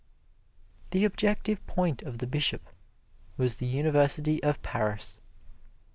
The objective point of the Bishop was the University of Paris.